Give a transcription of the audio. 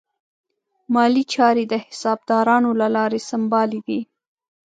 مالي چارې د حسابدارانو له لارې سمبالې دي.